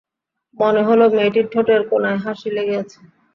মনে হলো, মেয়েটির ঠোঁটের কোণায় হাসি লেগে আছে।